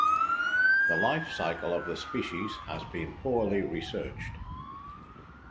The life cycle of the species has been poorly researched.